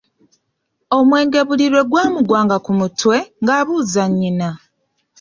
Omwenge buli lwe gwamuggwanga ku mutwe, ng'abuuza nnyina.